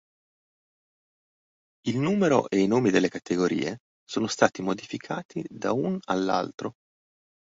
Il numero e i nomi della categorie sono stati modificati da un all'altro.